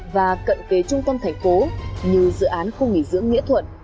và cận kề trung tâm thành phố như dự án khu nghỉ dưỡng nghĩa thuận